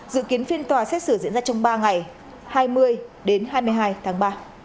dự kiến phiên tòa xét xử diễn ra trong ba ngày hai mươi đến hai mươi hai tháng ba